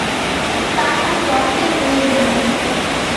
তার আর রক্তের প্রয়োজন নেই।